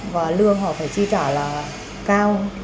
và lương họ phải chi trả là cao